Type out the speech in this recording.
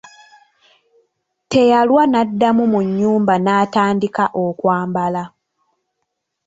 Teyalwa n'addamu mu nnyumba n'atandika okwambala.